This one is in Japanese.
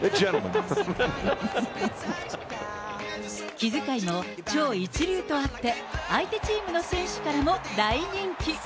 気遣いも超一流とあって、相手チームの選手からも大人気。